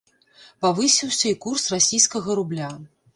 Павысіўся і курс расійскага рубля.